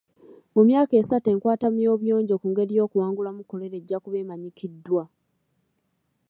Mu myaka esatu enkwatamu y'obuyonjo ku ngeri y'okuwangulamu kolera ejja kuba emanyikiddwa.